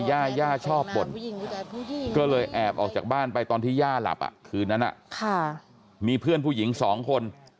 ย่าย่าชอบบ่นก็เลยแอบออกจากบ้านไปตอนที่ย่าหลับคืนนั้นมีเพื่อนผู้หญิงสองคน